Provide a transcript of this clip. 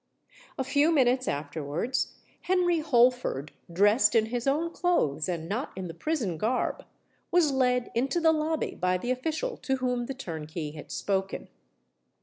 A few minutes afterwards Henry Holford, dressed in his own clothes, and not in the prison garb, was led into the lobby by the official to whom the turnkey had spoken.